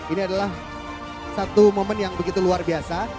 ini adalah satu momen yang begitu luar biasa